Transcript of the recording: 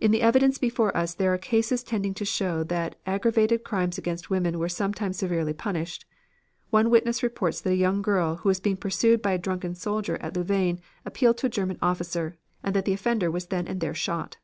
"In the evidence before us there are cases tending to show that aggravated crimes against women were sometimes severely punished. One witness reports that a young girl who was being pursued by a drunken soldier at Louvain appealed to a German officer, and that the offender was then and there shot.